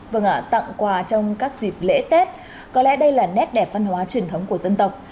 vâng ạ tặng quà trong các dịp lễ tết có lẽ đây là nét đẹp văn hóa truyền thống của dân tộc